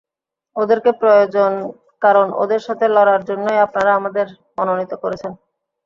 ওদেরকে প্রয়োজন কারণ ওদের সাথে লড়ার জন্যই আপনারা আমাদের মনোনীত করেছেন!